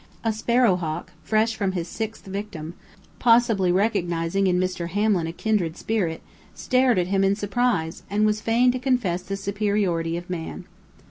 A sparrow hawk, fresh from his sixth victim, possibly recognizing in Mr. Hamlin a kindred spirit, stared at him in surprise, and was fain to confess the superiority of man.